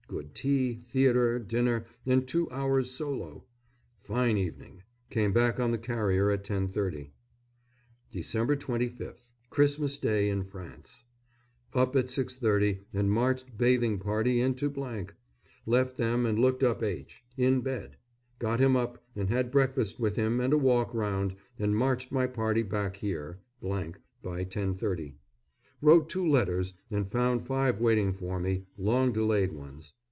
Good tea, theatre, dinner, and two hours' solo. Fine evening. Came back on the carrier at 10.30. Dec. 25th. Christmas Day in France. Up at 6.30 and marched bathing party into . Left them and looked up H. In bed; got him up and had breakfast with him and a walk round, and marched my party back here by 10.30. Wrote two letters and found five waiting for me long delayed ones.